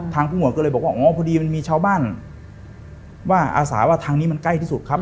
ผู้หวดก็เลยบอกว่าอ๋อพอดีมันมีชาวบ้านว่าอาสาว่าทางนี้มันใกล้ที่สุดครับ